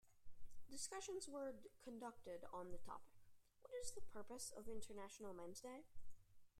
Discussions were conducted on the topic, What is the purpose of International Men's Day?